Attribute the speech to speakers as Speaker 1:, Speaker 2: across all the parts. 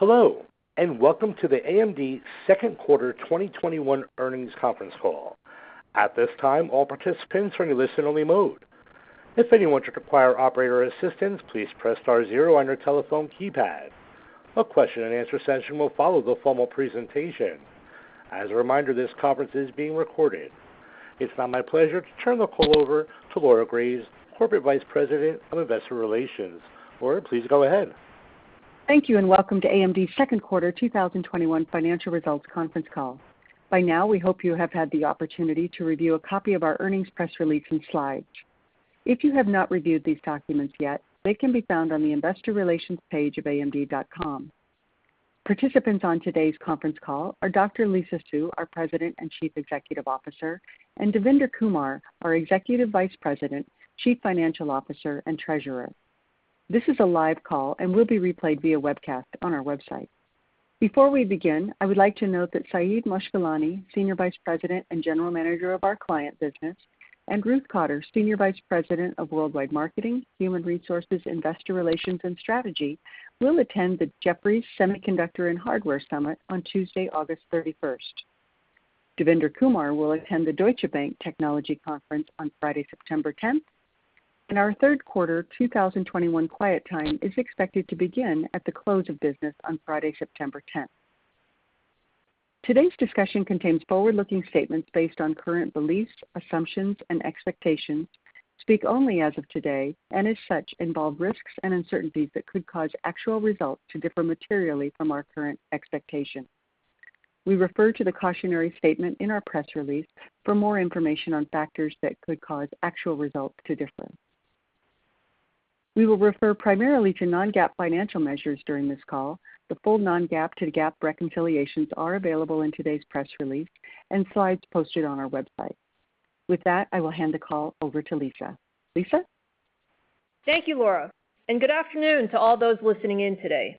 Speaker 1: Hello, and welcome to the AMD second quarter 2021 earnings conference call. It's now my pleasure to turn the call over to Laura Graves, Corporate Vice President of Investor Relations. Laura, please go ahead.
Speaker 2: Thank you, welcome to AMD's 2nd quarter 2021 financial results conference call. By now, we hope you have had the opportunity to review a copy of our earnings press release and slides. If you have not reviewed these documents yet, they can be found on the investor relations page of amd.com. Participants on today's conference call are Dr. Lisa Su, our President and Chief Executive Officer, and Devinder Kumar, our Executive Vice President, Chief Financial Officer, and Treasurer. This is a live call and will be replayed via webcast on our website. Before we begin, I would like to note that Saeid Moshkelani, Senior Vice President and General Manager of our client business, and Ruth Cotter, Senior Vice President of Worldwide Marketing, Human Resources, Investor Relations, and Strategy, will attend the Jefferies Semiconductor and Hardware Summit on Tuesday, August 31st. Devinder Kumar will attend the Deutsche Bank Technology Conference on Friday, September 10th, and our third quarter 2021 quiet time is expected to begin at the close of business on Friday, September 10th. Today's discussion contains forward-looking statements based on current beliefs, assumptions, and expectations, speak only as of today, and as such, involve risks and uncertainties that could cause actual results to differ materially from our current expectations. We refer to the cautionary statement in our press release for more information on factors that could cause actual results to differ. We will refer primarily to non-GAAP financial measures during this call. The full non-GAAP to GAAP reconciliations are available in today's press release and slides posted on our website. With that, I will hand the call over to Lisa. Lisa?
Speaker 3: Thank you, Laura. Good afternoon to all those listening in today.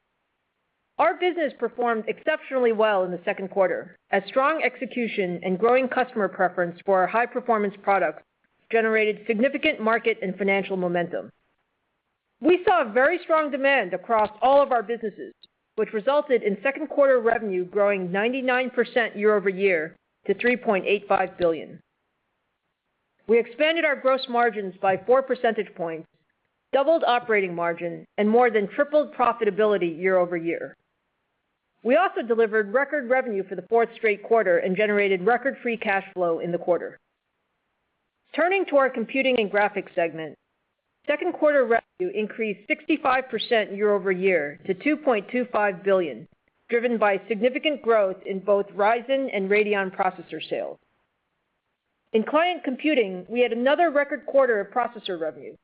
Speaker 3: Our business performed exceptionally well in the second quarter, as strong execution and growing customer preference for our high-performance products generated significant market and financial momentum. We saw very strong demand across all of our businesses, which resulted in second quarter revenue growing 99% year-over-year to $3.85 billion. We expanded our gross margins by 4 percentage points, doubled operating margin, and more than tripled profitability year-over-year. We also delivered record revenue for the 4th straight quarter and generated record free cash flow in the quarter. Turning to our computing and graphics segment, second quarter revenue increased 65% year-over-year to $2.25 billion, driven by significant growth in both Ryzen and Radeon processor sales. In client computing, we had another record quarter of processor revenue.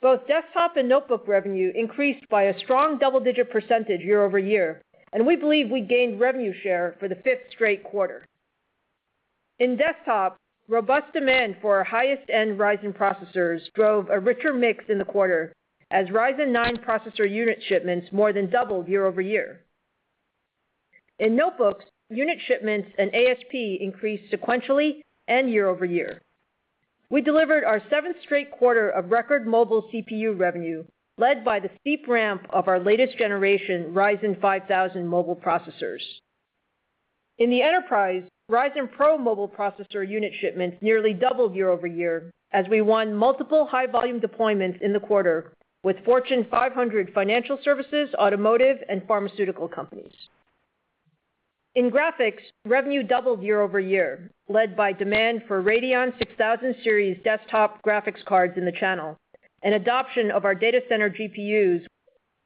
Speaker 3: Both desktop and notebook revenue increased by a strong double-digit percentage year-over-year, and we believe we gained revenue share for the fifth straight quarter. In desktop, robust demand for our highest-end Ryzen processors drove a richer mix in the quarter as Ryzen 9 processor unit shipments more than doubled year-over-year. In notebooks, unit shipments and ASP increased sequentially and year-over-year. We delivered our seventh straight quarter of record mobile CPU revenue, led by the steep ramp of our latest generation Ryzen 5000 mobile processors. In the enterprise, Ryzen PRO mobile processor unit shipments nearly doubled year-over-year as we won multiple high-volume deployments in the quarter with Fortune 500 financial services, automotive, and pharmaceutical companies. In graphics, revenue doubled year-over-year, led by demand for Radeon 6000 Series desktop graphics cards in the channel and adoption of our data-center GPUs.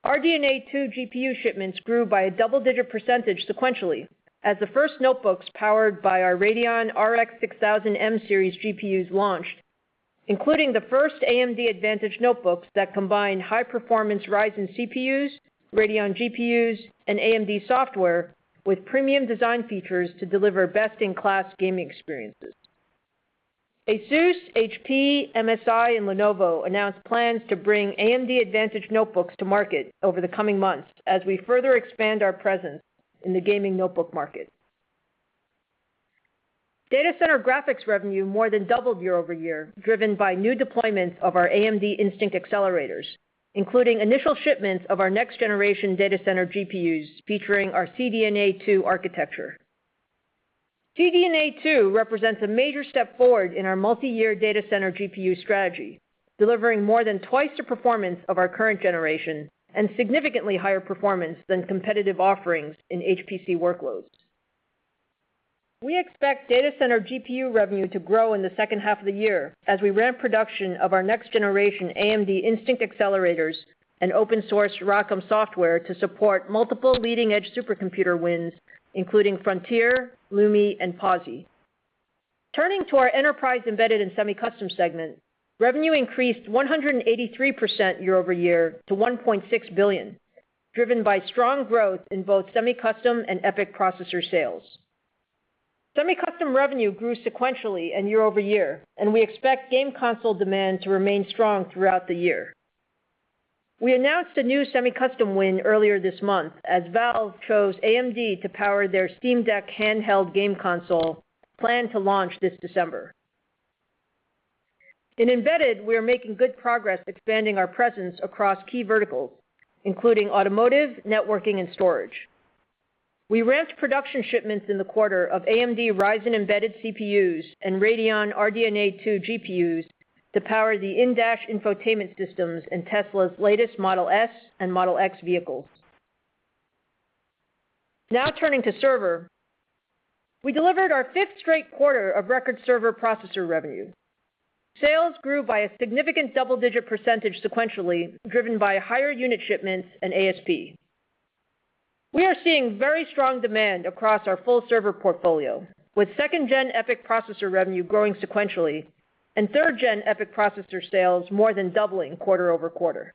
Speaker 3: RDNA 2 GPU shipments grew by a double-digit % sequentially as the first notebooks powered by our Radeon RX 6000M series GPUs launched, including the first AMD Advantage notebooks that combine high-performance Ryzen CPUs, Radeon GPUs, and AMD software with premium design features to deliver best-in-class gaming experiences. ASUS, HP, MSI, and Lenovo announced plans to bring AMD Advantage notebooks to market over the coming months as we further expand our presence in the gaming notebook market. Data center graphics revenue more than doubled year-over-year, driven by new deployments of our AMD Instinct accelerators, including initial shipments of our next-generation data center GPUs featuring our CDNA 2 architecture. CDNA 2 represents a major step forward in our multi-year data center GPU strategy, delivering more than twice the performance of our current generation and significantly higher performance than competitive offerings in HPC workloads. We expect data center GPU revenue to grow in the second half of the year as we ramp production of our next generation AMD Instinct accelerators and open source ROCm software to support multiple leading-edge supercomputer wins, including Frontier, LUMI, and Pawsey. Turning to our enterprise embedded and semi-custom segment, revenue increased 183% year-over-year to $1.6 billion, driven by strong growth in both semi-custom and EPYC processor sales. Semi-custom revenue grew sequentially and year-over-year, and we expect game console demand to remain strong throughout the year. We announced a new semi-custom win earlier this month as Valve chose AMD to power their Steam Deck handheld game console planned to launch this December. In embedded, we are making good progress expanding our presence across key verticals, including automotive, networking, and storage. We ramped production shipments in the quarter of AMD Ryzen Embedded CPUs and Radeon RDNA 2 GPUs to power the in-dash infotainment systems in Tesla's latest Model S and Model X vehicles. Now turning to server. We delivered our fifth straight quarter of record server processor revenue. Sales grew by a significant double-digit % sequentially, driven by higher unit shipments and ASP. We are seeing very strong demand across our full server portfolio, with 2nd-gen EPYC processor revenue growing sequentially and 3rd-gen EPYC processor sales more than doubling quarter-over-quarter.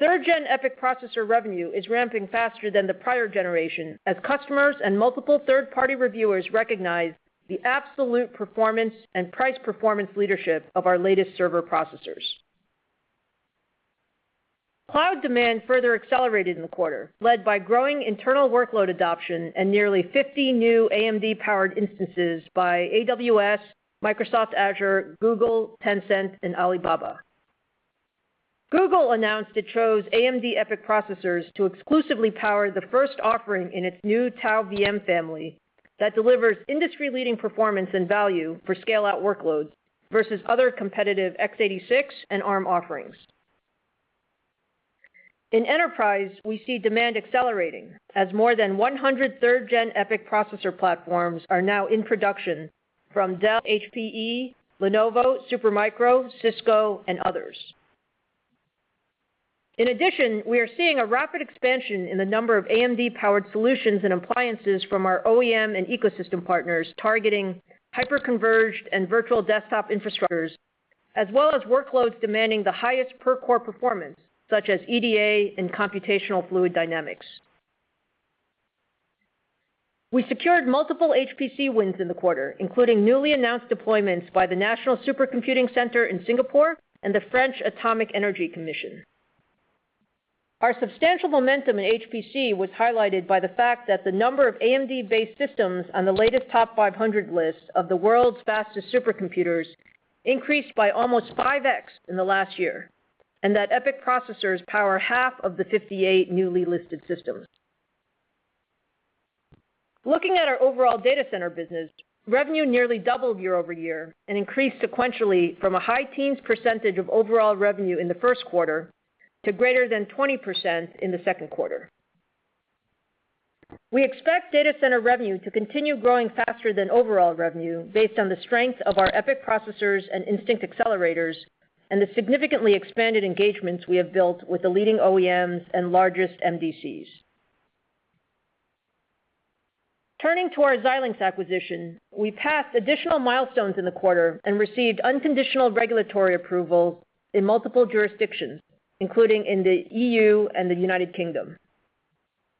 Speaker 3: 3rd-gen EPYC processor revenue is ramping faster than the prior generation, as customers and multiple third-party reviewers recognize the absolute performance and price-performance leadership of our latest server processors. Cloud demand further accelerated in the quarter, led by growing internal workload adoption and nearly 50 new AMD-powered instances by AWS, Microsoft Azure, Google, Tencent, and Alibaba. Google announced it chose AMD EPYC processors to exclusively power the first offering in its new Tau VM family that delivers industry-leading performance and value for scale-out workloads versus other competitive x86 and Arm offerings. In enterprise, we see demand accelerating as more than 100 3rd Gen EPYC processor platforms are now in production from Dell, HPE, Lenovo, Supermicro, Cisco, and others. In addition, we are seeing a rapid expansion in the number of AMD-powered solutions and appliances from our OEM and ecosystem partners targeting hyperconverged and virtual desktop infrastructures, as well as workloads demanding the highest per-core performance, such as EDA and computational fluid dynamics. We secured multiple HPC wins in the quarter, including newly announced deployments by the National Supercomputing Centre Singapore and the French Alternative Energies and Atomic Energy Commission. Our substantial momentum in HPC was highlighted by the fact that the number of AMD-based systems on the latest TOP500 list of the world's fastest supercomputers increased by almost 5x in the last year, and that EPYC processors power half of the 58 newly listed systems. Looking at our overall data center business, revenue nearly doubled year-over-year and increased sequentially from a high teens % of overall revenue in the first quarter to greater than 20% in the second quarter. We expect data center revenue to continue growing faster than overall revenue based on the strength of our EPYC processors and Instinct accelerators and the significantly expanded engagements we have built with the leading OEMs and largest MDCs. Turning to our Xilinx acquisition, we passed additional milestones in the quarter and received unconditional regulatory approval in multiple jurisdictions, including in the EU and the United Kingdom.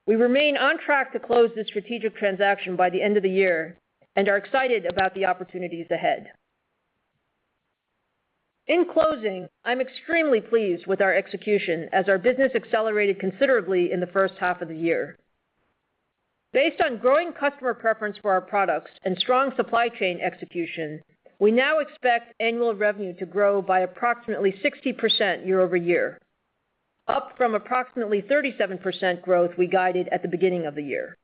Speaker 3: We remain on track to close the strategic transaction by the end of the year and are excited about the opportunities ahead. In closing, I'm extremely pleased with our execution as our business accelerated considerably in the first half of the year. Based on growing customer preference for our products and strong supply chain execution, we now expect annual revenue to grow by approximately 60% year-over-year, up from approximately 37% growth we guided at the beginning of the year.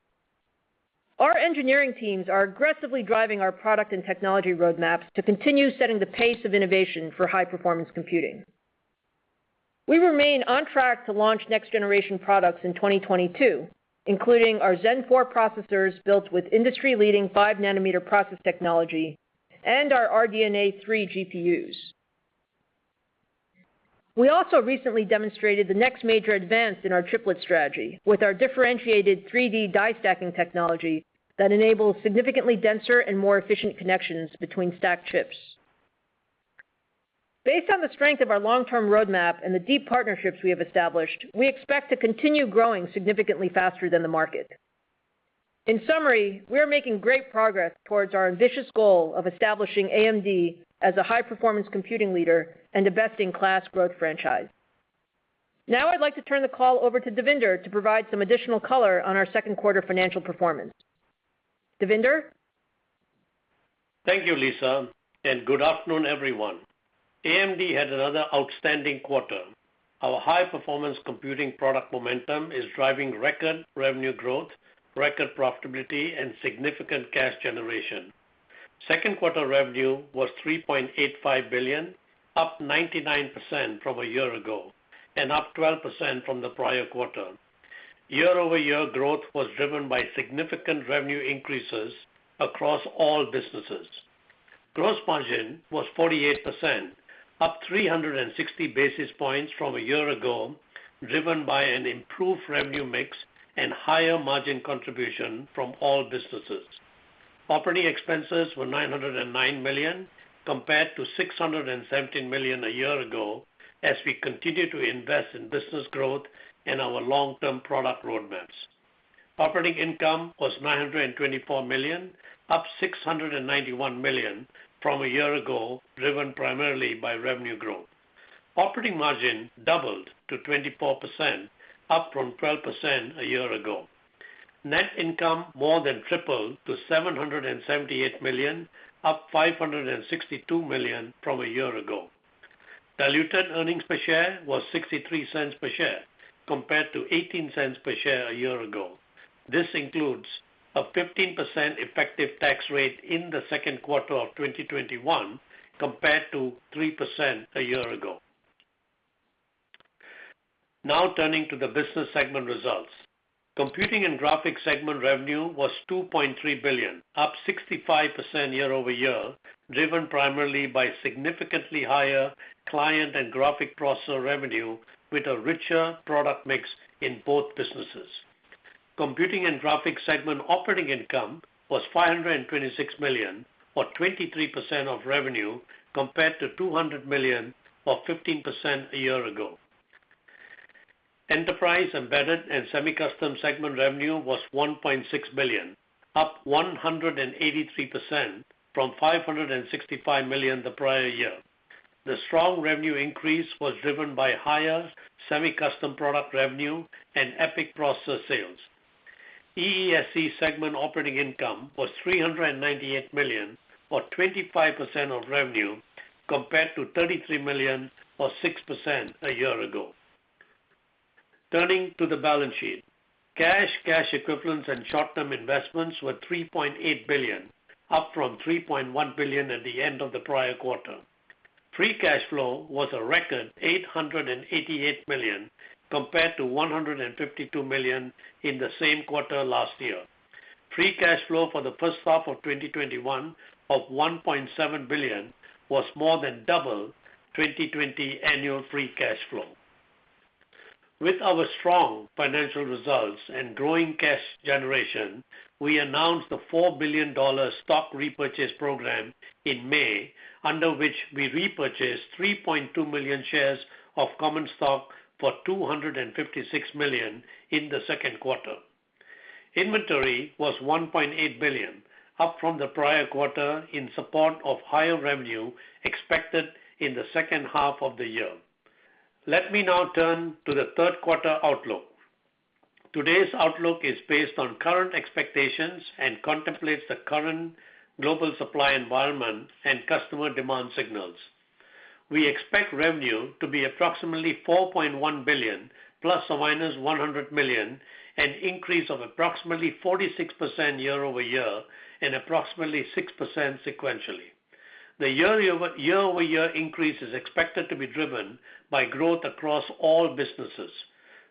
Speaker 3: Our engineering teams are aggressively driving our product and technology roadmaps to continue setting the pace of innovation for high-performance computing. We remain on track to launch next-generation products in 2022, including our Zen 4 processors, built with industry-leading 5nm process technology and our RDNA 3 GPUs. We also recently demonstrated the next major advance in our chiplet strategy with our differentiated 3D die-stacking technology that enables significantly denser and more efficient connections between stacked chips. Based on the strength of our long-term roadmap and the deep partnerships we have established, we expect to continue growing significantly faster than the market. In summary, we are making great progress towards our ambitious goal of establishing AMD as a high-performance computing leader and a best-in-class growth franchise. Now I'd like to turn the call over to Devinder to provide some additional color on our second quarter financial performance. Devinder?
Speaker 4: Thank you, Lisa. Good afternoon, everyone. AMD had another outstanding quarter. Our high-performance computing product momentum is driving record revenue growth, record profitability, and significant cash generation. Second quarter revenue was $3.85 billion, up 99% from a year ago and up 12% from the prior quarter. Year-over-year growth was driven by significant revenue increases across all businesses. Gross margin was 48%, up 360 basis points from a year ago, driven by an improved revenue mix and higher margin contribution from all businesses. Operating expenses were $909 million, compared to $617 million a year ago, as we continue to invest in business growth and our long-term product roadmaps. Operating income was $924 million, up $691 million from a year ago, driven primarily by revenue growth. Operating margin doubled to 24%, up from 12% a year ago. Net income more than tripled to $778 million, up $562 million from a year ago. Diluted earnings per share was $0.63 per share, compared to $0.18 per share a year ago. This includes a 15% effective tax rate in the second quarter of 2021, compared to 3% a year ago. Turning to the business segment results. Computing and Graphics segment revenue was $2.3 billion, up 65% year-over-year, driven primarily by significantly higher client and graphic processor revenue with a richer product mix in both businesses. Computing and Graphics segment operating income was $526 million, or 23% of revenue, compared to $200 million, or 15% a year ago. Enterprise, Embedded and Semi-Custom segment revenue was $1.6 billion, up 183% from $565 million the prior year. The strong revenue increase was driven by higher semi-custom product revenue and EPYC processor sales. EESC segment operating income was $398 million, or 25% of revenue, compared to $33 million, or 6% a year ago. Turning to the balance sheet. Cash, cash equivalents, and short-term investments were $3.8 billion, up from $3.1 billion at the end of the prior quarter. Free cash flow was a record $888 million compared to $152 million in the same quarter last year. Free cash flow for the first half of 2021 of $1.7 billion was more than double 2020 annual free cash flow. With our strong financial results and growing cash generation, we announced a $4 billion stock repurchase program in May, under which we repurchased 3.2 million shares of common stock for $256 million in the second quarter. Inventory was $1.8 billion, up from the prior quarter in support of higher revenue expected in the second half of the year. Let me now turn to the third quarter outlook. Today's outlook is based on current expectations and contemplates the current global supply environment and customer demand signals. We expect revenue to be approximately $4.1 billion ±$100 million, an increase of approximately 46% year-over-year and approximately 6% sequentially. The year-over-year increase is expected to be driven by growth across all businesses.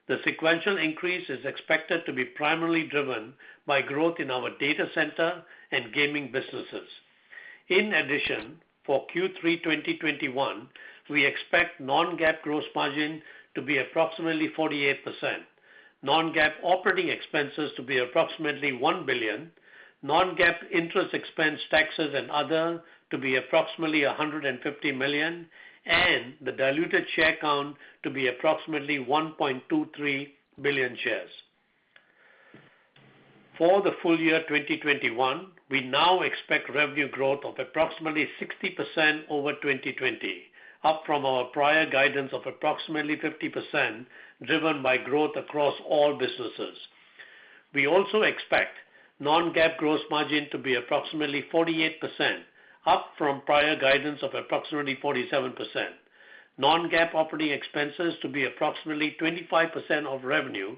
Speaker 4: The sequential increase is expected to be primarily driven by growth in our data center and gaming businesses. In addition, for Q3 2021, we expect non-GAAP gross margin to be approximately 48%, non-GAAP operating expenses to be approximately $1 billion, non-GAAP interest expense, taxes, and other to be approximately $150 million, and the diluted share count to be approximately 1.23 billion shares. For the full year 2021, we now expect revenue growth of approximately 60% over 2020, up from our prior guidance of approximately 50%, driven by growth across all businesses. We also expect non-GAAP gross margin to be approximately 48%, up from prior guidance of approximately 47%, non-GAAP operating expenses to be approximately 25% of revenue,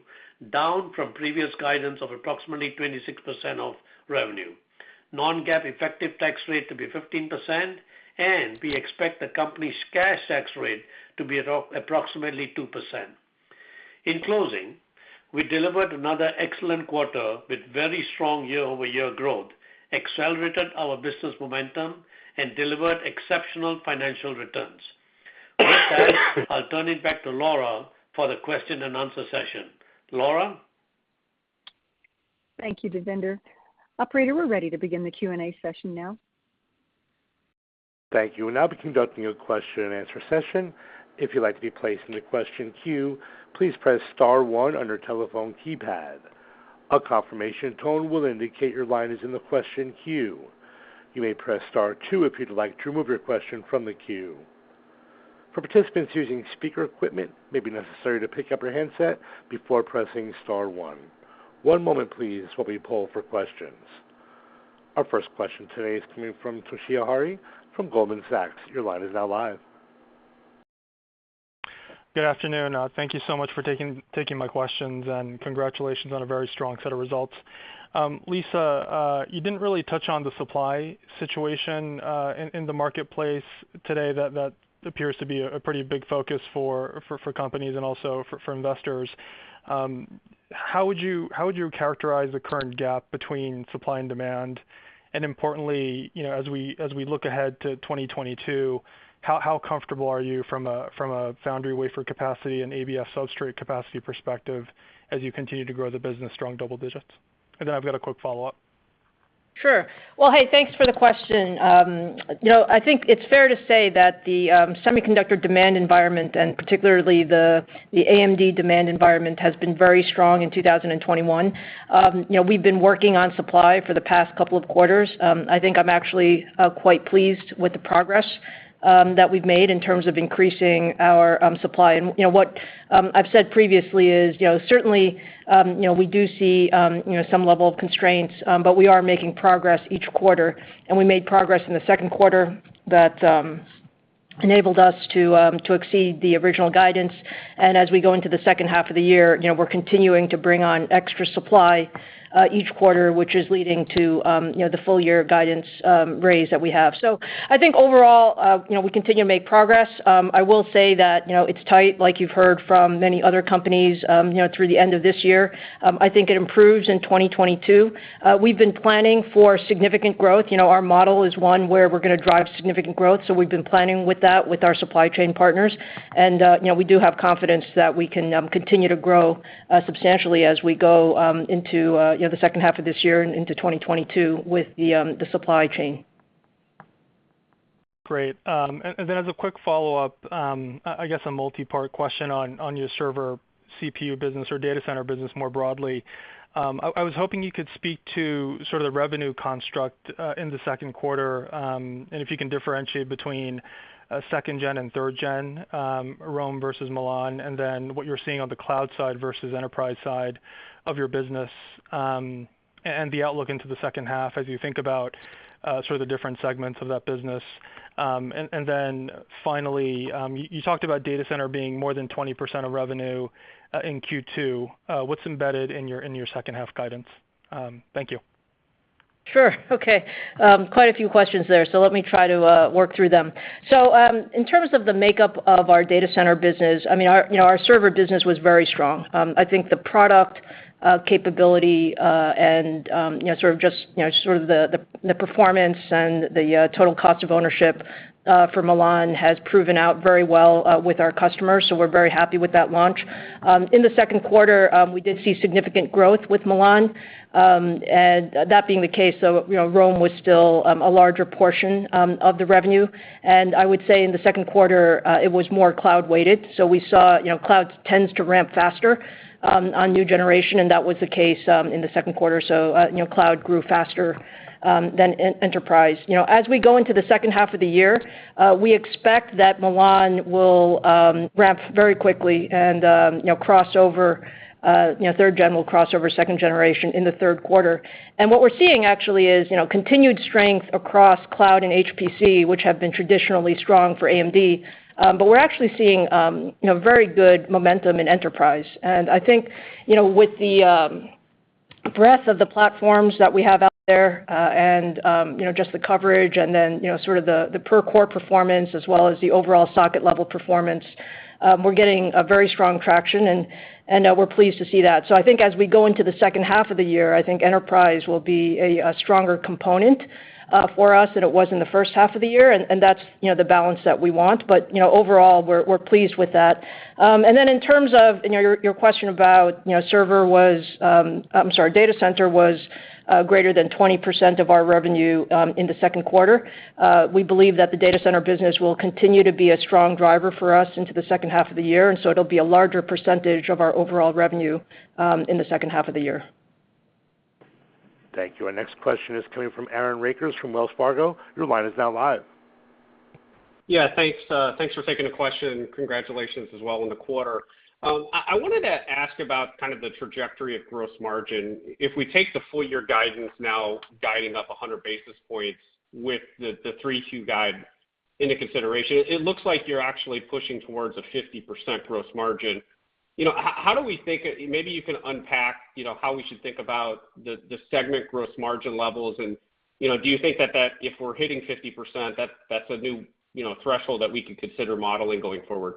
Speaker 4: down from previous guidance of approximately 26% of revenue, non-GAAP effective tax rate to be 15%, and we expect the company's cash tax rate to be at approximately 2%. In closing, we delivered another excellent quarter with very strong year-over-year growth, accelerated our business momentum, and delivered exceptional financial returns. With that, I'll turn it back to Laura for the question and answer session. Laura?
Speaker 2: Thank you, Devinder. Operator, we are ready to begin the Q&A session now.
Speaker 1: Our first question today is coming from Toshiya Hari from Goldman Sachs. Your line is now live.
Speaker 5: Good afternoon. Thank you so much for taking my questions, and congratulations on a very strong set of results. Lisa, you didn't really touch on the supply situation in the marketplace today. That appears to be a pretty big focus for companies and also for investors. How would you characterize the current gap between supply and demand, and importantly, as we look ahead to 2022, how comfortable are you from a foundry wafer capacity and ABF substrate capacity perspective as you continue to grow the business strong double digits? I've got a quick follow-up.
Speaker 3: Sure. Well, hey, thanks for the question. I think it's fair to say that the semiconductor demand environment, and particularly the AMD demand environment, has been very strong in 2021. We've been working on supply for the past couple of quarters. I think I'm actually quite pleased with the progress that we've made in terms of increasing our supply. What I've said previously is certainly we do see some level of constraints, but we are making progress each quarter, and we made progress in the second quarter that Enabled us to exceed the original guidance. As we go into the second half of the year, we're continuing to bring on extra supply each quarter, which is leading to the full year guidance raise that we have. I think overall, we continue to make progress. I will say that it's tight, like you've heard from many other companies, through the end of this year. I think it improves in 2022. We've been planning for significant growth. Our model is one where we're going to drive significant growth, so we've been planning with that with our supply chain partners. We do have confidence that we can continue to grow substantially as we go into the second half of this year and into 2022 with the supply chain.
Speaker 5: Great. As a quick follow-up, I guess a multi-part question on your server CPU business or data center business more broadly. I was hoping you could speak to sort of the revenue construct in the second quarter. If you can differentiate between second-gen and third-gen, Rome versus Milan, what you're seeing on the cloud side versus enterprise side of your business, and the outlook into the second half as you think about sort of the different segments of that business. Finally, you talked about data center being more than 20% of revenue in Q2. What's embedded in your second half guidance? Thank you.
Speaker 3: Sure. Okay. Quite a few questions there, so let me try to work through them. In terms of the makeup of our data center business, our server business was very strong. I think the product capability, and just the performance and the total cost of ownership, for Milan has proven out very well with our customers, so we're very happy with that launch. In the second quarter, we did see significant growth with Milan. That being the case, though, Rome was still a larger portion of the revenue. I would say in the second quarter, it was more cloud weighted. We saw cloud tends to ramp faster on new generation, and that was the case in the second quarter. Cloud grew faster than enterprise. We expect that Milan will ramp very quickly and 3rd gen will cross over 2nd generation in the 3rd quarter. What we're seeing actually is continued strength across cloud and HPC, which have been traditionally strong for AMD. We're actually seeing very good momentum in enterprise. I think, with the breadth of the platforms that we have out there and just the coverage and then the per core performance as well as the overall socket level performance, we're getting a very strong traction and we're pleased to see that. I think as we go into the 2nd half of the year, I think enterprise will be a stronger component for us than it was in the 1st half of the year, and that's the balance that we want. Overall, we're pleased with that. In terms of your question about data center was greater than 20% of our revenue in the second quarter. We believe that the data center business will continue to be a strong driver for us into the second half of the year, it'll be a larger percentage of our overall revenue in the second half of the year.
Speaker 1: Thank you. Our next question is coming from Aaron Rakers from Wells Fargo. Your line is now live.
Speaker 6: Yeah, thanks. Thanks for taking the question. Congratulations as well on the quarter. I wanted to ask about kind of the trajectory of gross margin. If we take the full year guidance now guiding up 100 basis points with the 3Q guide into consideration, it looks like you're actually pushing towards a 50% gross margin. Maybe you can unpack how we should think about the segment gross margin levels, and do you think that if we're hitting 50%, that's a new threshold that we can consider modeling going forward?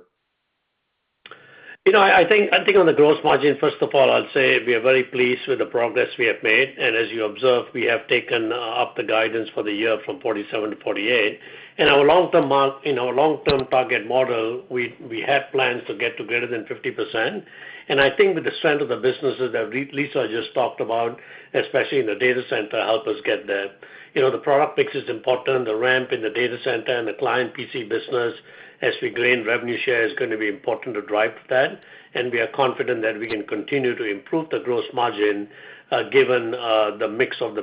Speaker 4: I think on the gross margin, first of all, I'd say we are very pleased with the progress we have made. As you observed, we have taken up the guidance for the year from 47% to 48%. In our long-term target model, we had plans to get to greater than 50%, and I think with the strength of the businesses that Lisa just talked about, especially in the data center, help us get there. The product mix is important. The ramp in the data center and the client PC business as we gain revenue share is going to be important to drive that, and we are confident that we can continue to improve the gross margin, given the mix of the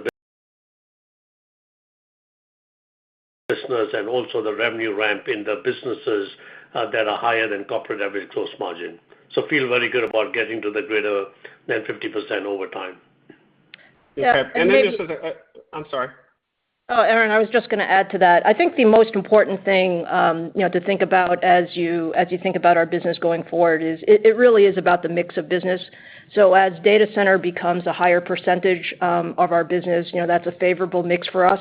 Speaker 4: business and also the revenue ramp in the businesses that are higher than corporate average gross margin. Feel very good about getting to the greater than 50% over time.
Speaker 6: Okay. Just I'm sorry.
Speaker 3: Aaron, I was just going to add to that. I think the most important thing to think about as you think about our business going forward is it really is about the mix of business. As data center becomes a higher % of our business, that's a favorable mix for us.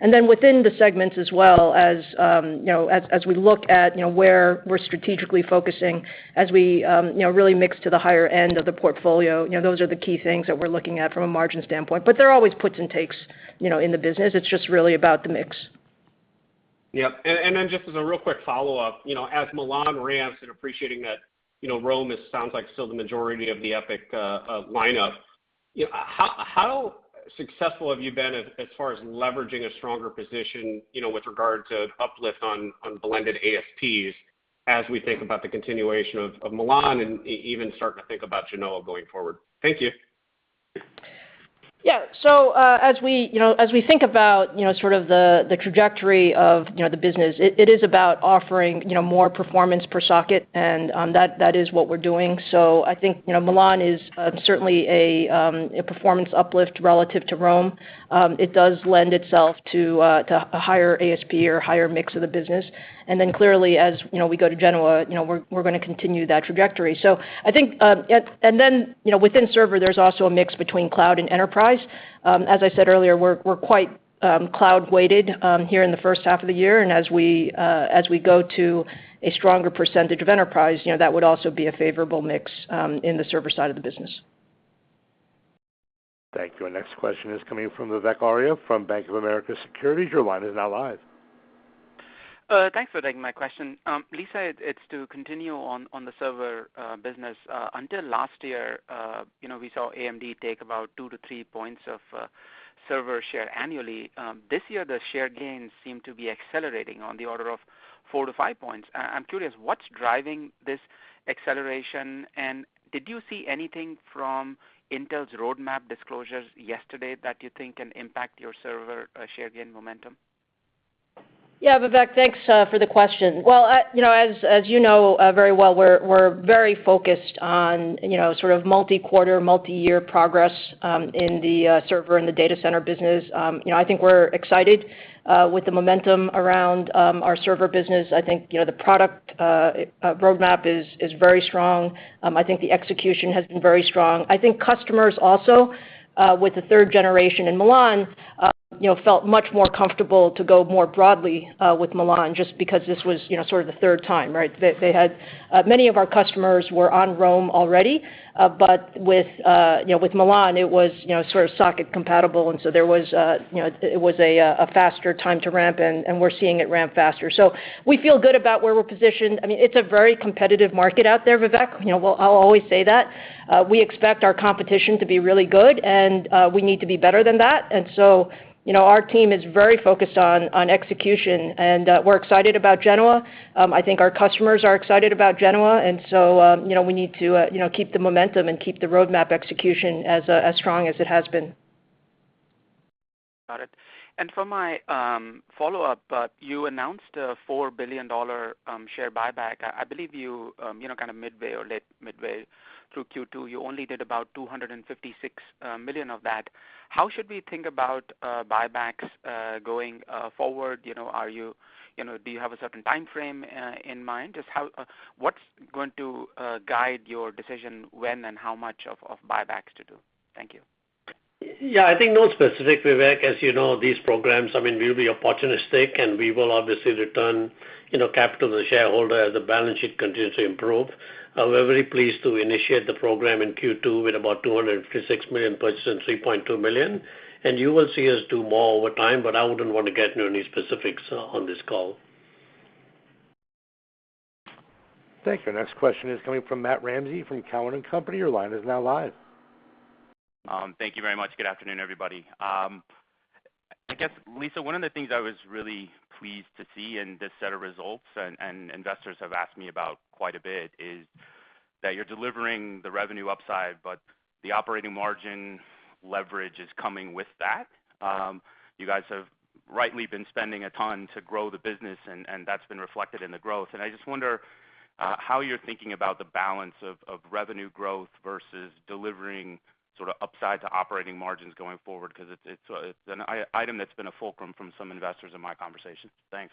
Speaker 3: Within the segments as well, as we look at where we're strategically focusing as we really mix to the higher end of the portfolio, those are the key things that we're looking at from a margin standpoint. There are always puts and takes in the business. It's just really about the mix.
Speaker 6: Yep. Just as a real quick follow-up, as Milan ramps and appreciating that Rome sounds like still the majority of the EPYC lineup, how successful have you been as far as leveraging a stronger position with regard to uplift on blended ASPs as we think about the continuation of Milan and even starting to think about Genoa going forward? Thank you.
Speaker 3: Yeah. As we think about the trajectory of the business, it is about offering more performance per socket and that is what we're doing. I think Milan is certainly a performance uplift relative to Rome. It does lend itself to a higher ASP or higher mix of the business. Clearly, as we go to Genoa, we're going to continue that trajectory. Within server, there's also a mix between cloud and enterprise. As I said earlier, we're quite cloud-weighted here in the first half of the year, and as we go to a stronger percentage of enterprise, that would also be a favorable mix in the server side of the business.
Speaker 1: Thank you. Our next question is coming from Vivek Arya from Bank of America Securities.
Speaker 7: Thanks for taking my question. Lisa, it's to continue on the server business. Until last year, we saw AMD take about 2-3 points of server share annually. This year, the share gains seem to be accelerating on the order of 4-5 points. I'm curious what's driving this acceleration, and did you see anything from Intel's roadmap disclosures yesterday that you think can impact your server share gain momentum?
Speaker 3: Yeah, Vivek, thanks for the question. Well, as you know very well, we're very focused on sort of multi-quarter, multi-year progress in the server and the data center business. I think we're excited with the momentum around our server business. I think the product roadmap is very strong. I think the execution has been very strong. I think customers also with the third generation in Milan felt much more comfortable to go more broadly with Milan just because this was sort of the third time, right? Many of our customers were on Rome already. With Milan, it was sort of socket compatible, it was a faster time to ramp, we're seeing it ramp faster. We feel good about where we're positioned. It's a very competitive market out there, Vivek. I'll always say that. We expect our competition to be really good, and we need to be better than that. Our team is very focused on execution, and we're excited about Genoa. I think our customers are excited about Genoa, and so we need to keep the momentum and keep the roadmap execution as strong as it has been.
Speaker 7: Got it. For my follow-up, you announced a $4 billion share buyback. I believe you midway or late midway through Q2, you only did about $256 million of that. How should we think about buybacks going forward? Do you have a certain timeframe in mind? Just what's going to guide your decision when and how much of buybacks to do? Thank you.
Speaker 4: I think no specific, Vivek. As you know, these programs, we'll be opportunistic, and we will obviously return capital to the shareholder as the balance sheet continues to improve. We're very pleased to initiate the program in Q2 with about $256 million versus $3.2 million, you will see us do more over time, but I wouldn't want to get into any specifics on this call.
Speaker 1: Thank you. Our next question is coming from Matthew Ramsay from Cowen and Company. Your line is now live.
Speaker 8: Thank you very much. Good afternoon, everybody. I guess, Lisa, one of the things I was really pleased to see in this set of results, and investors have asked me about quite a bit, is that you're delivering the revenue upside, but the operating margin leverage is coming with that. You guys have rightly been spending a ton to grow the business, and that's been reflected in the growth, and I just wonder how you're thinking about the balance of revenue growth versus delivering upside to operating margins going forward, because it's an item that's been a fulcrum from some investors in my conversation. Thanks.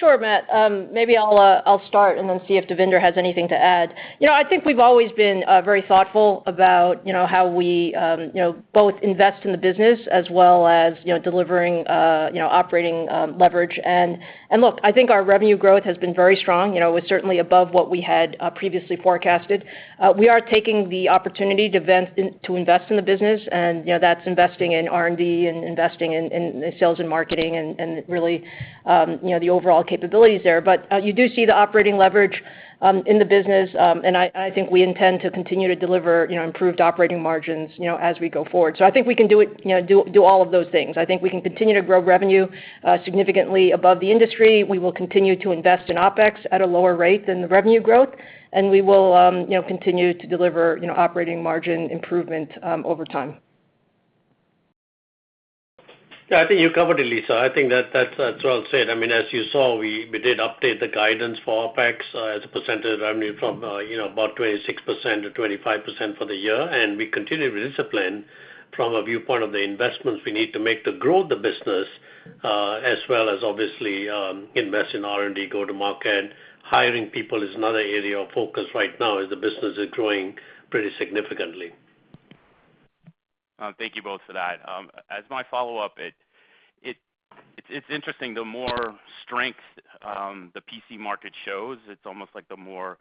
Speaker 3: Sure, Matt. Maybe I'll start and then see if Devinder has anything to add. I think we've always been very thoughtful about how we both invest in the business as well as delivering operating leverage. Look, I think our revenue growth has been very strong. It's certainly above what we had previously forecasted. We are taking the opportunity to invest in the business, and that's investing in R&D and investing in sales and marketing and really the overall capabilities there. You do see the operating leverage in the business, and I think we intend to continue to deliver improved operating margins as we go forward. I think we can do all of those things. I think we can continue to grow revenue significantly above the industry. We will continue to invest in OpEx at a lower rate than the revenue growth, and we will continue to deliver operating margin improvement over time.
Speaker 4: Yeah, I think you covered it, Lisa. I think that is well said. As you saw, we did update the guidance for OpEx as a percentage of revenue from about 26% to 25% for the year. We continue to discipline from a viewpoint of the investments we need to make to grow the business as well as obviously invest in R&D, go to market. Hiring people is another area of focus right now as the business is growing pretty significantly.
Speaker 8: Thank you both for that. As my follow-up, it's interesting, the more strength the PC market shows, it's almost like the more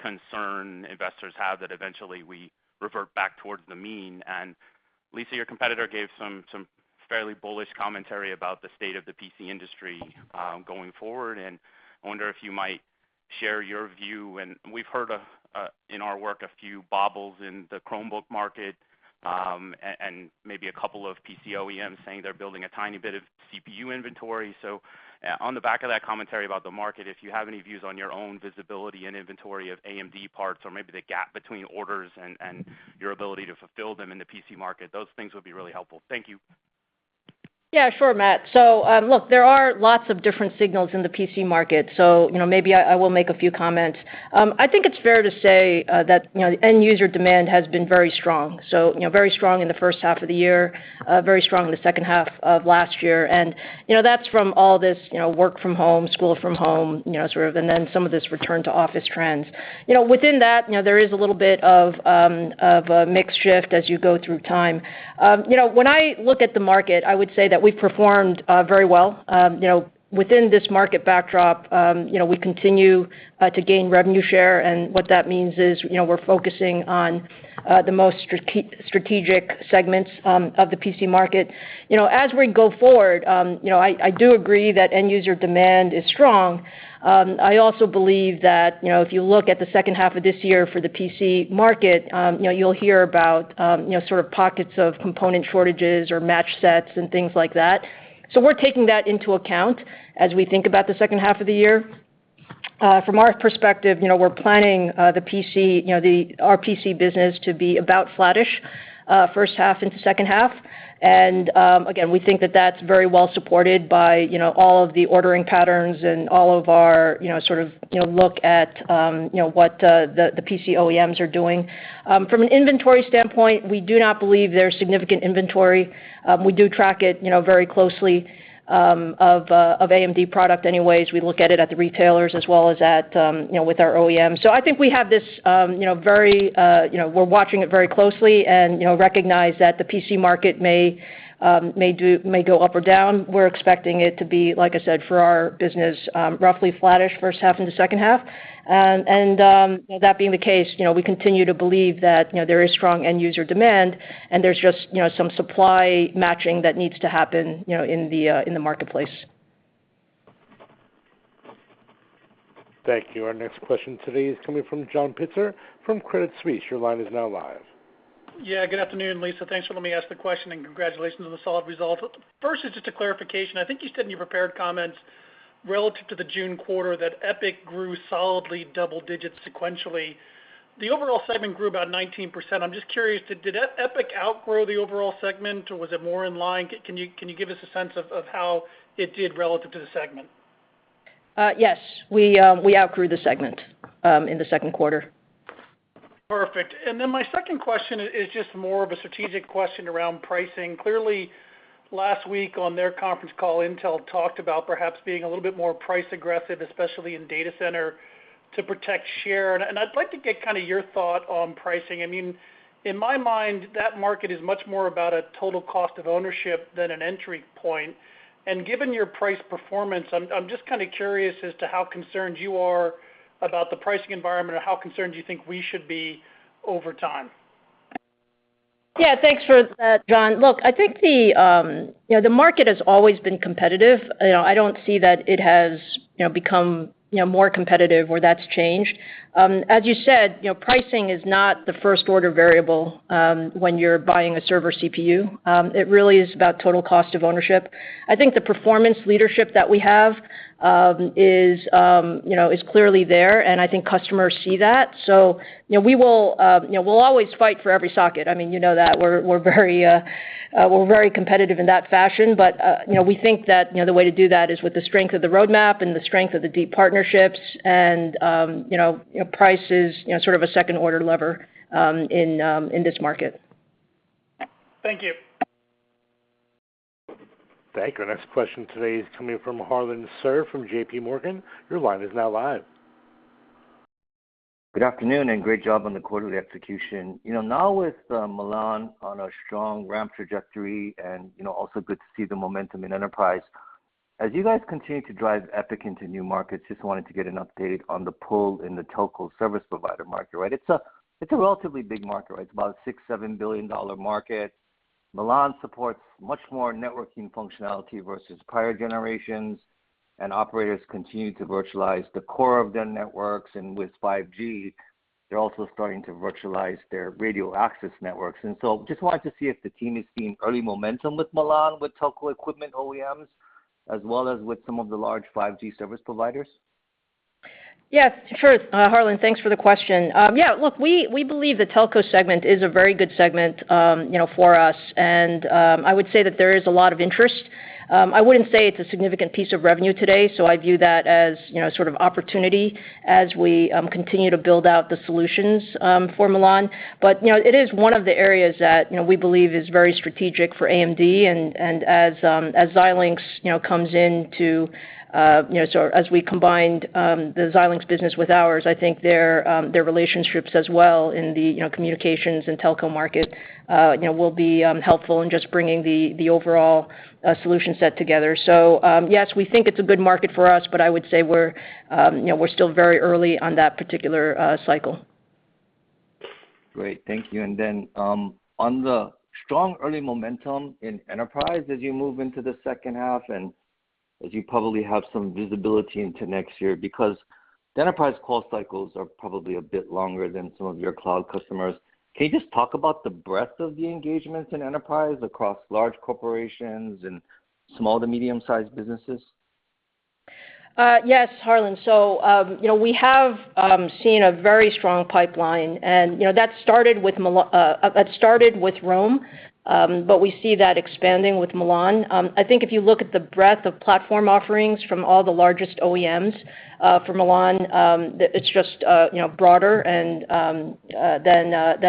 Speaker 8: concern investors have that eventually we revert back towards the mean. Lisa, your competitor gave some fairly bullish commentary about the state of the PC industry going forward, and I wonder if you might share your view. We've heard in our work a few bobbles in the Chromebook market and maybe a couple of PC OEMs saying they're building a tiny bit of CPU inventory. On the back of that commentary about the market, if you have any views on your own visibility and inventory of AMD parts or maybe the gap between orders and your ability to fulfill them in the PC market, those things would be really helpful. Thank you.
Speaker 3: Yeah, sure, Matt. Look, there are lots of different signals in the PC market. Maybe I will make a few comments. I think it's fair to say that end user demand has been very strong. Very strong in the first half of the year, very strong in the second half of last year. That's from all this work from home, school from home, and then some of this return to office trends. Within that, there is a little bit of a mix shift as you go through time. When I look at the market, I would say that we've performed very well. Within this market backdrop, we continue to gain revenue share, and what that means is we're focusing on the most strategic segments of the PC market. As we go forward, I do agree that end user demand is strong. I also believe that if you look at the second half of this year for the PC market, you'll hear about sort of pockets of component shortages or match sets and things like that. We're taking that into account as we think about the second half of the year. From our perspective, we're planning our PC business to be about flattish first half into second half. Again, we think that that's very well supported by all of the ordering patterns and all of our sort of look at what the PC OEMs are doing. From an inventory standpoint, we do not believe there's significant inventory. We do track it very closely of AMD product anyways. We look at it at the retailers as well as with our OEMs. I think we're watching it very closely and recognize that the PC market may go up or down. We're expecting it to be, like I said, for our business, roughly flattish first half into second half. That being the case, we continue to believe that there is strong end user demand and there's just some supply matching that needs to happen in the marketplace.
Speaker 1: Thank you. Our next question today is coming from John Pitzer from Credit Suisse. Your line is now live.
Speaker 9: Good afternoon, Lisa. Thanks for letting me ask the question and congratulations on the solid result. First is just a clarification. I think you said in your prepared comments relative to the June quarter that EPYC grew solidly double digits sequentially. The overall segment grew about 19%. I'm just curious, did EPYC outgrow the overall segment or was it more in line? Can you give us a sense of how it did relative to the segment?
Speaker 3: Yes. We outgrew the segment in the second quarter.
Speaker 9: Perfect. My second question is just more of a strategic question around pricing. Clearly, last week on their conference call, Intel talked about perhaps being a little bit more price aggressive, especially in data center to protect share. I'd like to get your thought on pricing. In my mind, that market is much more about a total cost of ownership than an entry point. Given your price performance, I'm just kind of curious as to how concerned you are about the pricing environment or how concerned you think we should be over time.
Speaker 3: Yeah, thanks for that, John. I think the market has always been competitive. I don't see that it has become more competitive or that's changed. As you said, pricing is not the first-order variable when you're buying a server CPU. It really is about total cost of ownership. I think the performance leadership that we have is clearly there, and I think customers see that. We'll always fight for every socket. You know that. We're very competitive in that fashion. We think that the way to do that is with the strength of the roadmap and the strength of the deep partnerships and price is sort of a second-order lever in this market.
Speaker 9: Thank you.
Speaker 1: Thank you. Our next question today is coming from Harlan Sur from J.P. Morgan. Your line is now live.
Speaker 10: Good afternoon, great job on the quarterly execution. With Milan on a strong ramp trajectory and also good to see the momentum in enterprise. As you guys continue to drive EPYC into new markets, just wanted to get an update on the pull in the telco service provider market. It's a relatively big market, right? It's about a $6 billion-$7 billion market. Milan supports much more networking functionality versus prior generations, and operators continue to virtualize the core of their networks, and with 5G, they're also starting to virtualize their radio access networks. Just wanted to see if the team is seeing early momentum with Milan, with telco equipment OEMs, as well as with some of the large 5G service providers.
Speaker 3: Yes, sure. Harlan, thanks for the question. Yeah, look, we believe the telco segment is a very good segment for us, and I would say that there is a lot of interest. I wouldn't say it's a significant piece of revenue today, so I view that as sort of opportunity as we continue to build out the solutions for Milan. It is one of the areas that we believe is very strategic for AMD, and as we combined the Xilinx business with ours, I think their relationships as well in the communications and telco market will be helpful in just bringing the overall solution set together. Yes, we think it's a good market for us, but I would say we're still very early on that particular cycle.
Speaker 10: Great. Thank you. On the strong early momentum in enterprise as you move into the second half and as you probably have some visibility into next year, because the enterprise call cycles are probably a bit longer than some of your cloud customers. Can you just talk about the breadth of the engagements in enterprise across large corporations and small to medium-sized businesses?
Speaker 3: Yes, Harlan. We have seen a very strong pipeline, and that started with Rome, but we see that expanding with Milan. I think if you look at the breadth of platform offerings from all the largest OEMs for Milan, it's just broader than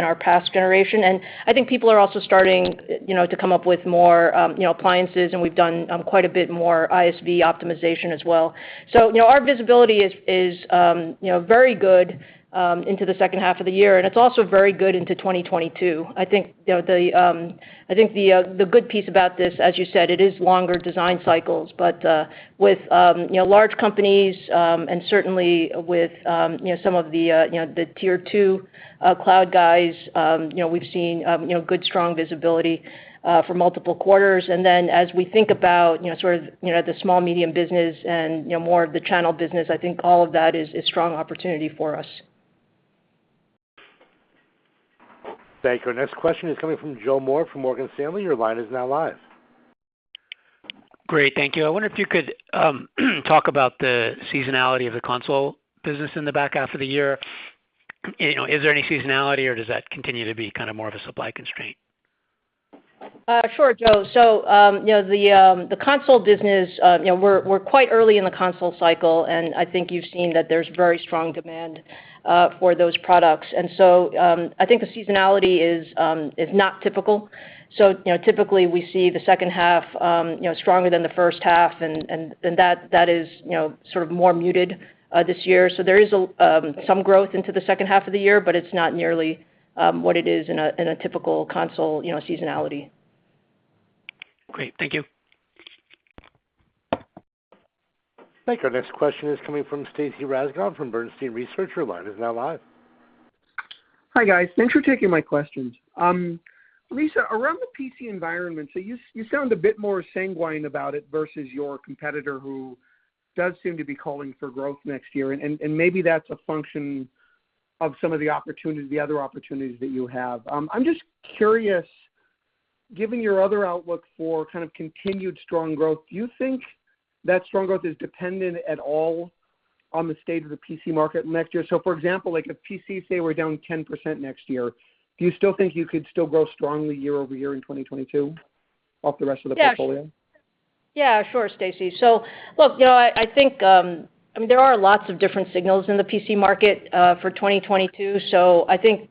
Speaker 3: our past generation. I think people are also starting to come up with more appliances, and we've done quite a bit more ISV optimization as well. Our visibility is very good into the second half of the year, and it's also very good into 2022. I think the good piece about this, as you said, it is longer design cycles. With large companies, and certainly with some of the tier 2 cloud guys, we've seen good strong visibility for multiple quarters. As we think about the small medium business and more of the channel business, I think all of that is strong opportunity for us.
Speaker 1: Thank you. Our next question is coming from Joseph Moore from Morgan Stanley. Your line is now live.
Speaker 11: Great. Thank you. I wonder if you could talk about the seasonality of the console business in the back half of the year. Is there any seasonality, or does that continue to be more of a supply constraint?
Speaker 3: Sure, Joe. The console business, we're quite early in the console cycle. I think you've seen that there's very strong demand for those products. I think the seasonality is not typical. Typically, we see the second half stronger than the first half. That is more muted this year. There is some growth into the second half of the year. It's not nearly what it is in a typical console seasonality.
Speaker 11: Great. Thank you.
Speaker 1: Thank you. Our next question is coming from Stacy Rasgon from Bernstein Research.
Speaker 12: Hi, guys. Thanks for taking my questions. Lisa, around the PC environment, you sound a bit more sanguine about it versus your competitor, who does seem to be calling for growth next year, maybe that's a function of some of the other opportunities that you have. I'm just curious, given your other outlook for continued strong growth, do you think that strong growth is dependent at all on the state of the PC market next year? For example, like if PCs, say, were down 10% next year, do you still think you could still grow strongly year-over-year in 2022 off the rest of the portfolio?
Speaker 3: Yeah. Sure, Stacy. Look, I think there are lots of different signals in the PC market for 2022. I think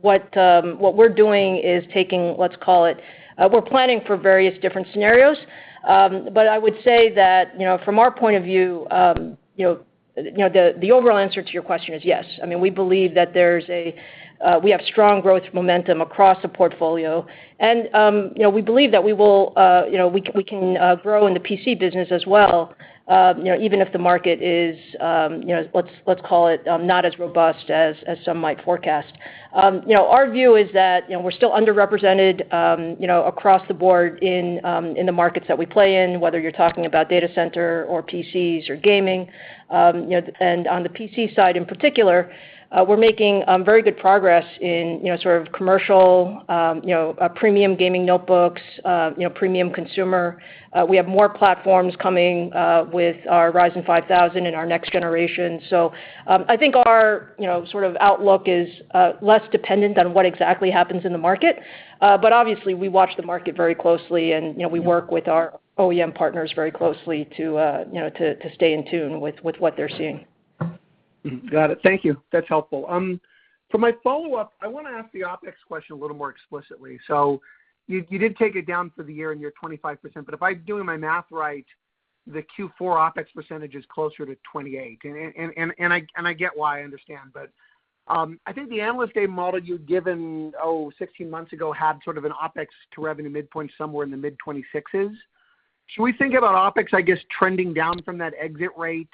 Speaker 3: what we're doing is taking, let's call it, we're planning for various different scenarios. I would say that from our point of view, the overall answer to your question is yes. We believe that we have strong growth momentum across the portfolio, and we believe that we can grow in the PC business as well, even if the market is, let's call it, not as robust as some might forecast. Our view is that we're still underrepresented across the board in the markets that we play in, whether you're talking about data center or PCs or gaming. On the PC side in particular, we're making very good progress in commercial premium gaming notebooks, premium consumer. We have more platforms coming with our Ryzen 5000 and our next generation. I think our outlook is less dependent on what exactly happens in the market. Obviously, we watch the market very closely, and we work with our OEM partners very closely to stay in tune with what they're seeing.
Speaker 12: Got it. Thank you. That's helpful. For my follow-up, I want to ask the OpEx question a little more explicitly. You did take it down for the year and you're 25%, but if I'm doing my math right, the Q4 OpEx percentage is closer to 28. I get why, I understand, but I think the analyst day model you'd given, oh, 16 months ago had an OpEx to revenue midpoint somewhere in the mid-26s. Should we think about OpEx, I guess, trending down from that exit rate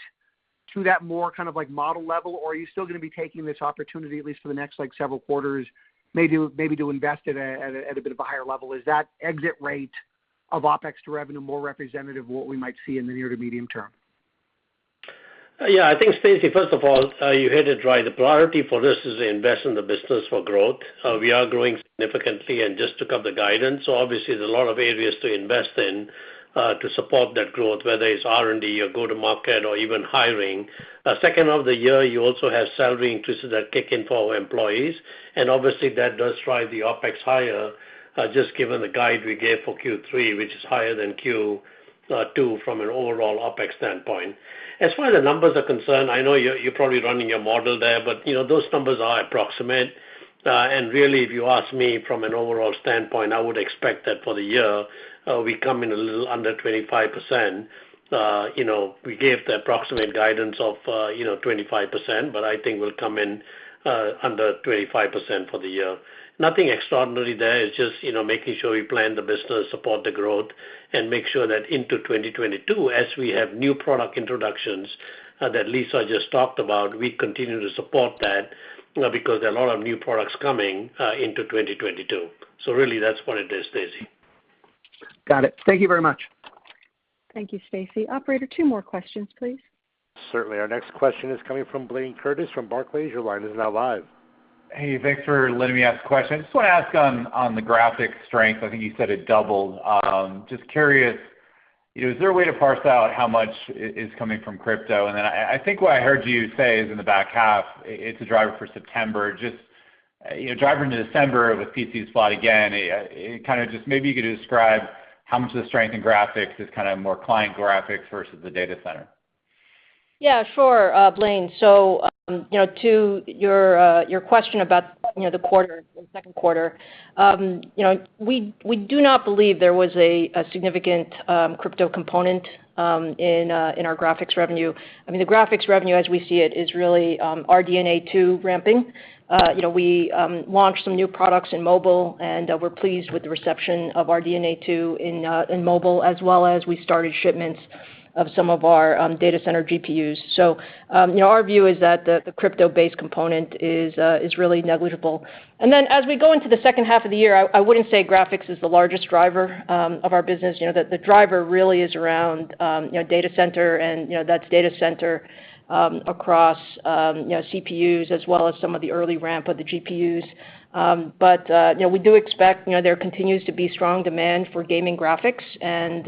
Speaker 12: to that more model level, or are you still going to be taking this opportunity at least for the next several quarters maybe to invest at a bit of a higher level? Is that exit rate of OpEx to revenue more representative of what we might see in the near to medium term?
Speaker 4: Yeah, I think, Stacy, first of all, you hit it right. The priority for this is to invest in the business for growth. We are growing significantly and just took up the guidance. Obviously, there's a lot of areas to invest in to support that growth, whether it's R&D or go to market or even hiring. 2nd of the year, you also have salary increases that kick in for our employees, obviously, that does drive the OpEx higher, just given the guide we gave for Q3, which is higher than Q2 from an overall OpEx standpoint. As far as the numbers are concerned, I know you're probably running your model there, those numbers are approximate. Really, if you ask me from an overall standpoint, I would expect that for the year, we come in a little under 25%. We gave the approximate guidance of 25%, but I think we'll come in under 25% for the year. Nothing extraordinary there. It's just making sure we plan the business, support the growth, and make sure that into 2022, as we have new product introductions that Lisa just talked about, we continue to support that, because there are a lot of new products coming into 2022. Really, that's what it is, Stacy.
Speaker 12: Got it. Thank you very much.
Speaker 1: Thank you, Stacy. Operator, 2 more questions, please. Certainly. Our next question is coming from Blayne Curtis from Barclays. Your line is now live.
Speaker 13: Hey, thanks for letting me ask a question. I just want to ask on the graphics strength, I think you said it doubled. Just curious, is there a way to parse out how much is coming from crypto? Then I think what I heard you say is in the back half, it's a driver for September. Just, driving into December with PCs flat again, maybe you could describe how much of the strength in graphics is more client graphics versus the data center.
Speaker 3: Yeah, sure, Blayne. To your question about the second quarter, we do not believe there was a significant crypto component in our graphics revenue. I mean, the graphics revenue as we see it is really RDNA 2 ramping. We launched some new products in mobile, and we're pleased with the reception of RDNA 2 in mobile, as well as we started shipments of some of our data center GPUs. Our view is that the crypto-based component is really negligible. As we go into the second half of the year, I wouldn't say graphics is the largest driver of our business. The driver really is around data center, and that's data center across CPUs as well as some of the early ramp of the GPUs. We do expect there continues to be strong demand for gaming graphics, and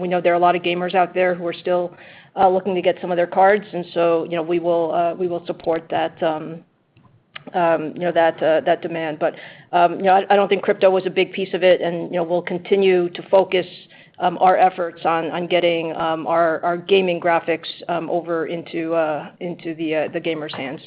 Speaker 3: we know there are a lot of gamers out there who are still looking to get some of their cards. We will support that demand. I don't think crypto was a big piece of it. We'll continue to focus our efforts on getting our gaming graphics over into the gamers' hands.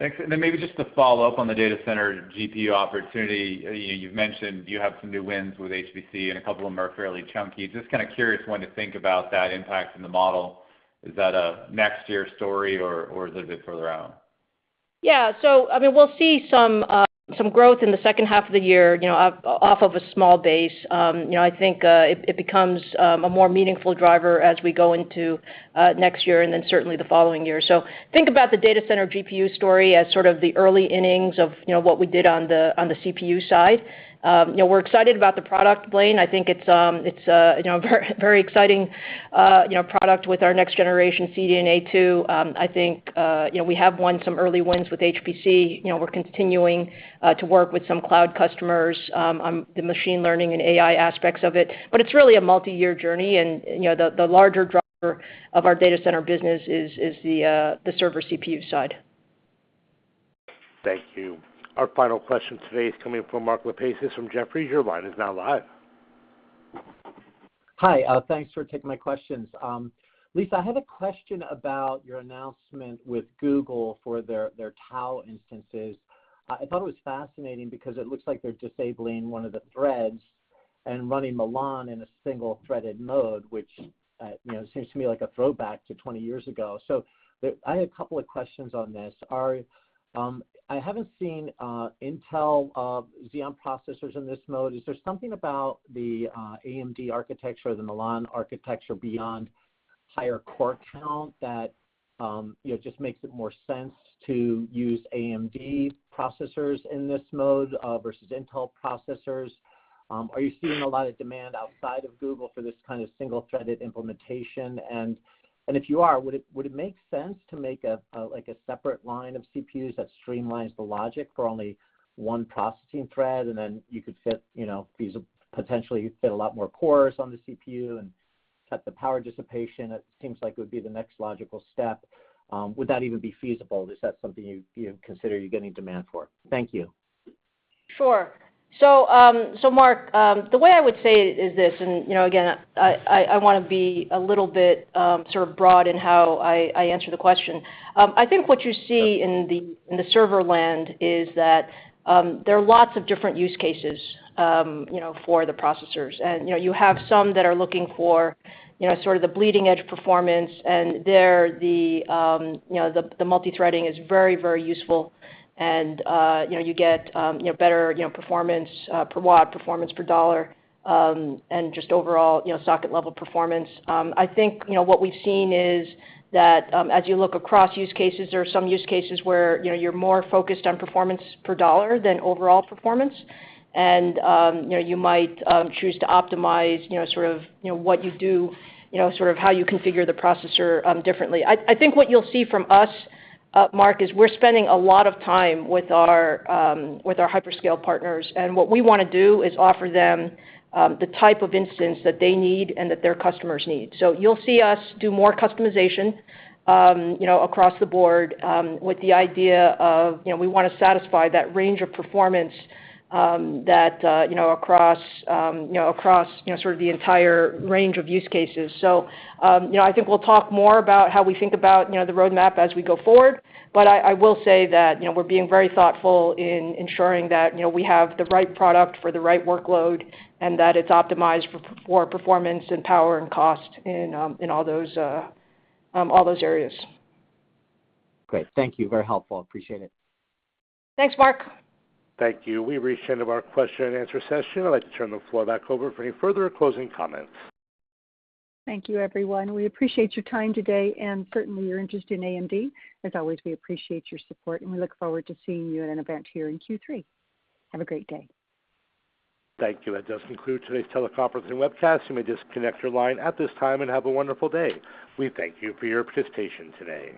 Speaker 13: Thanks. Then maybe just to follow up on the data center GPU opportunity. You've mentioned you have some new wins with HPC and a couple of them are fairly chunky. Just kind of curious when to think about that impact in the model. Is that a next year story or is it a bit further out?
Speaker 3: Yeah. I mean, we'll see some growth in the second half of the year off of a small base. I think it becomes a more meaningful driver as we go into next year and then certainly the following year. Think about the data center GPU story as sort of the early innings of what we did on the CPU side. We're excited about the product, Blayne. I think it's a very exciting product with our next generation CDNA 2. I think we have won some early wins with HPC. We're continuing to work with some cloud customers on the machine learning and AI aspects of it. It's really a multi-year journey and the larger driver of our data center business is the server CPU side.
Speaker 1: Thank you. Our final question today is coming from Mark Lipacis from Jefferies. Your line is now live.
Speaker 14: Hi, thanks for taking my questions. Lisa, I had a question about your announcement with Google for their Tau instances. I thought it was fascinating because it looks like they're disabling one of the threads and running Milan in a single-threaded mode, which seems to me like a throwback to 20 years ago. I had a couple of questions on this. I haven't seen Intel Xeon processors in this mode. Is there something about the AMD architecture, the Milan architecture, beyond higher core count that just makes more sense to use AMD processors in this mode versus Intel processors? Are you seeing a lot of demand outside of Google for this kind of single-threaded implementation? If you are, would it make sense to make a separate line of CPUs that streamlines the logic for only one processing thread, and then you could potentially fit a lot more cores on the CPU and cut the power dissipation? It seems like it would be the next logical step. Would that even be feasible? Is that something you'd consider you're getting demand for? Thank you.
Speaker 3: Sure. Mark, the way I would say it is this, and again, I want to be a little bit broad in how I answer the question. I think what you see in the server land is that there are lots of different use cases for the processors. You have some that are looking for sort of the bleeding edge performance, and there, the multi-threading is very useful and you get better performance per watt, performance per dollar, and just overall socket level performance. I think what we've seen is that as you look across use cases, there are some use cases where you're more focused on performance per dollar than overall performance, and you might choose to optimize what you do, how you configure the processor differently. I think what you'll see from us, Mark Lipacis, is we're spending a lot of time with our hyperscale partners. What we want to do is offer them the type of instance that they need and that their customers need. You'll see us do more customization across the board with the idea of we want to satisfy that range of performance across the entire range of use cases. I think we'll talk more about how we think about the roadmap as we go forward. I will say that we're being very thoughtful in ensuring that we have the right product for the right workload, and that it's optimized for performance and power and cost in all those areas.
Speaker 14: Great. Thank you. Very helpful. Appreciate it.
Speaker 3: Thanks, Mark.
Speaker 1: Thank you. We've reached the end of our question and answer session. I'd like to turn the floor back over for any further closing comments.
Speaker 3: Thank you, everyone. We appreciate your time today and certainly your interest in AMD. As always, we appreciate your support and we look forward to seeing you at an event here in Q3. Have a great day.
Speaker 1: Thank you. That does conclude today's teleconference and webcast. You may disconnect your line at this time and have a wonderful day. We thank you for your participation today.